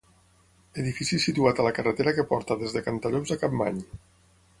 Edifici situat a la carretera que porta des de Cantallops a Capmany.